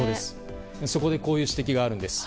そこでこういう指摘があるんです。